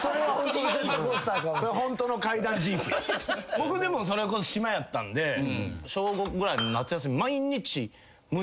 僕でもそれこそ島やったんで小５ぐらいの。